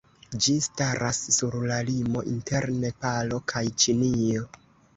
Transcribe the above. Ĝi staras sur la limo inter Nepalo kaj Ĉinio.